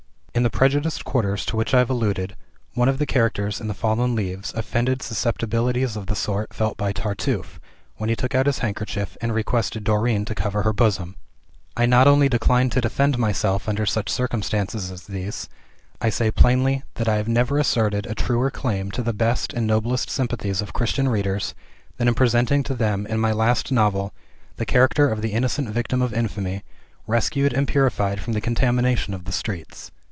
In the prejudiced quarters to which I have alluded, one of the characters in "The Fallen Leaves" offended susceptibilities of the sort felt by Tartuffe, when he took out his handkerchief, and requested Dorine to cover her bosom. I not only decline to defend myself, under such circumstances as these I say plainly, that I have never asserted a truer claim to the best and noblest sympathies of Christian readers than in presenting to them, in my last novel, the character of the innocent victim of infamy, rescued and purified from the contamination of the streets.